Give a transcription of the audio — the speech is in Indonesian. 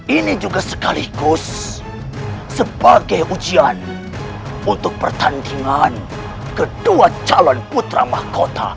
ini juga sekaligus sebagai ujian untuk pertandingan kedua calon putra mahkota